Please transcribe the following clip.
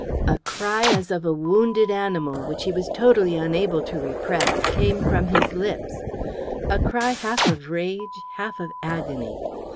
A cry as of a wounded animal, which he was totally unable to repress, came from his lips a cry half of rage, half of agony.